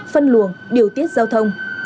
phân luồng điều tiết giao thông